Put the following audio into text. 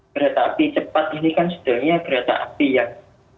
kereta api cepat ini kan sebenarnya kereta api yang